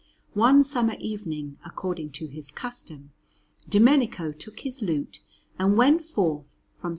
One summer evening, according to his custom, Domenico took his lute and went forth from S.